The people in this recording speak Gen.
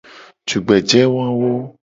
Tugbeje wawo.